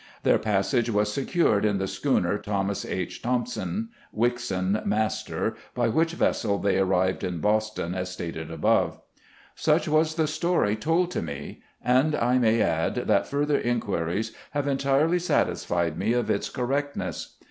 Their passage was secured in the schooner Thomas H. Thompson, Wickson, master, by which vessel they arrived in Boston, as stated above. Such was the story told to me ; and I may add, that further inquiries have entirely satisfied me of its correctness.